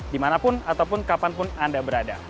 dimanapun ataupun kapanpun anda berada